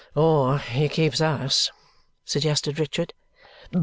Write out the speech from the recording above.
"Or he keeps us," suggested Richard.